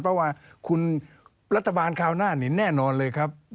เพราะว่าคุณรัฐบาลคราวหน้านินแน่นอนเลยครับ